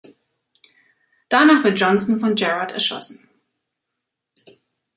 Danach wird Johnson von Gerard erschossen.